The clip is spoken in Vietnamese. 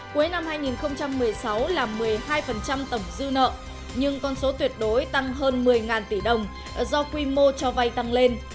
cuối năm hai nghìn một mươi sáu là một mươi hai tổng dư nợ nhưng con số tuyệt đối tăng hơn một mươi tỷ đồng do quy mô cho vay tăng lên